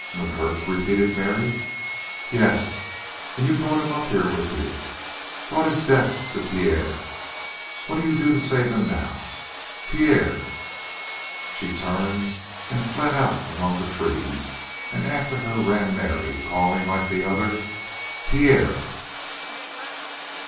"McGurk!" repeated Mary. "Yes! And you brought him up here with you, and brought his death to Pierre. What'll you do to save him now? Pierre!" She turned and fled out among the trees, and after her ran Mary, calling, like the other: "Pierre!"